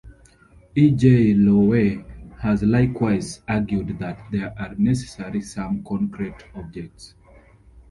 E. J. Lowe has likewise argued that there are necessarily some concrete objects.